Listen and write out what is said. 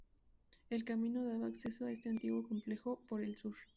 El camino daba acceso a este antiguo complejo por el sur.